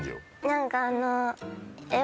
何かあの。